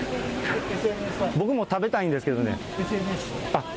僕も食べたいんですけどね。